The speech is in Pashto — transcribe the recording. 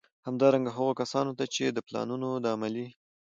همدارنګه، هغو کسانو ته چي د پلانونو د عملي